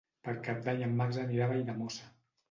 Per Cap d'Any en Max anirà a Valldemossa.